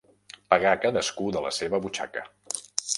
Pagar cadascú de la seva butxaca.